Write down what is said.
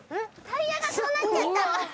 タイヤがそうなっちゃった？